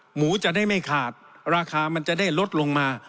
หมูจะได้ไม่ขาดราคามันจะได้ลดลงมา